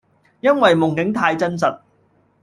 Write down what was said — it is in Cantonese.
因為夢境太真實